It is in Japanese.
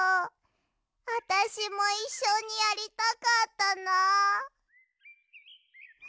あたしもいっしょにやりたかったなはあ。